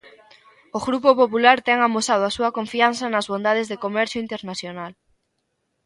O Grupo Popular ten amosado a súa confianza nas bondades do comercio internacional.